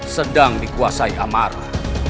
sedang dikuasai amara